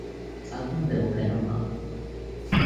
আগুন দেব কেন মা?